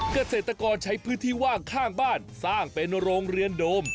เกษตรกรใช้พื้นที่ว่างข้างบ้านสร้างเป็นโรงเรือนโดม